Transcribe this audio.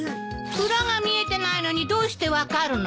裏が見えてないのにどうして分かるの？